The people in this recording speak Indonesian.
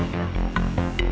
kalau bapak nggak pergi nggak ada